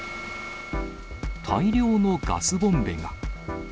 大量のガスボンベが。